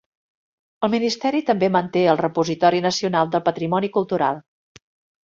El ministeri també manté el Repositori Nacional del Patrimoni Cultural.